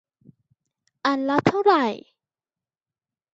อันละเท่าไหร่